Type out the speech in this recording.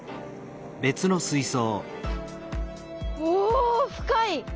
おお深い！